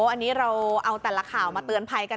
อันนี้เราเอาแต่ละข่าวมาเตือนภัยกัน